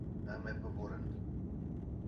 Em ê biborin.